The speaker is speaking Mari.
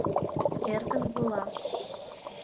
Эркын вола.